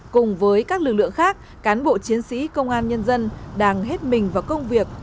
cùng với các lực lượng khác cán bộ chiến sĩ công an nhân dân đang hết mình vào công việc